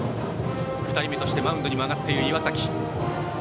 ２人目としてもマウンドに上がっている岩崎。